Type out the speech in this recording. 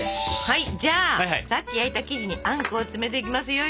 はいじゃあさっき焼いた生地にあんこを詰めていきますよ。